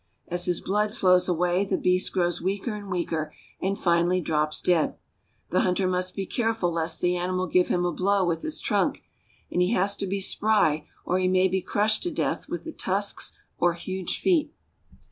As his blood flows away, the beast grows weaker and weaker, and finally drops dead. The hunter must be care ful lest the animal give him a blow with his trunk, and he has to be spry or he may be crushed to death with the tusks or huge feet.